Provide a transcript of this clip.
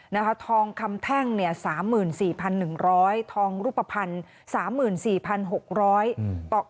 นะคะทองคำแท่งเนี่ยสามหมื่นสี่พันหนึ่งร้อยทองรูปภัณฑ์สามหมื่นสี่พันหกร้อย